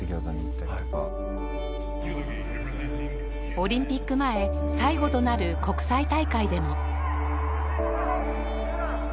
オリンピック前最後となる国際大会でも。